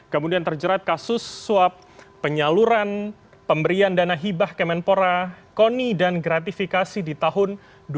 kemudian terjerat kasus suap penyaluran pemberian dana hibah kemenpora koni dan gratifikasi di tahun dua ribu dua puluh